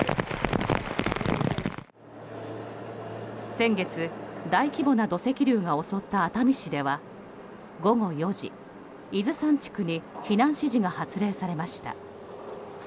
先月、大規模な土石流が襲った熱海市では午後４時、伊豆山地区に避難指示が発令されました。